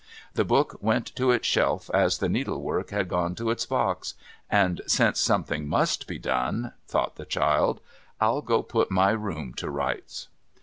The book went to its shelf as the needlework had gone to its box, and, since something must be done — thought the child, ' I'll go put my room to rights.'